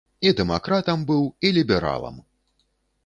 І дэмакратам быў, і лібералам!